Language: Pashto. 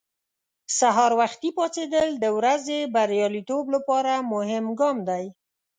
سهار وختي پاڅېدل د ورځې بریالیتوب لپاره مهم ګام دی.